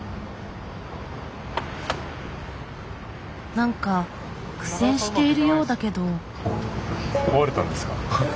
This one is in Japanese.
何か苦戦しているようだけど。